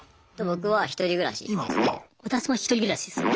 僕は１人暮らしですね。